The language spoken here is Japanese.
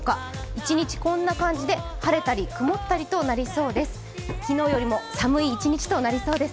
一日こんな感じで晴れたり曇ったりとなりそうです。